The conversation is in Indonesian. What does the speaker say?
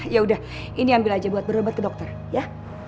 ya udah ini ambil aja buat berobat ke dokter ya